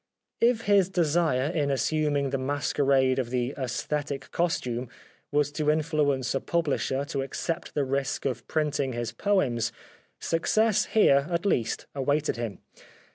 If his desire in assuming the masquerade of the " aesthetic costume " was to influence a publisher to accept the risk of printing his poems, success here, at least, awaited him.